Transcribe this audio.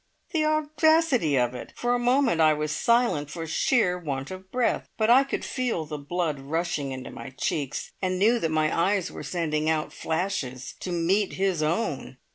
The audacity of it! For a moment I was silent for sheer want of breath, but I could feel the blood rushing into my cheeks, and knew that my eyes were sending out flashes to meet his own.